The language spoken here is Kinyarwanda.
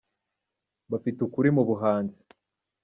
Bafite ukuri mu buhanzi